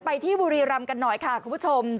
ที่บุรีรำกันหน่อยค่ะคุณผู้ชม